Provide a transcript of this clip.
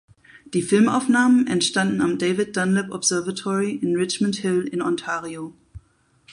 Die Filmaufnahmen entstanden am David Dunlap Observatory in Richmond Hill in Ontario.